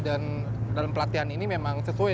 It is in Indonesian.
dan dalam pelatihan ini memang sesuai